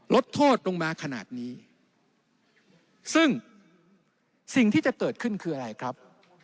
ลดโทษลงมาขนาดนี้ซึ่งสิ่งที่จะเกิดขึ้นคืออะไรครับ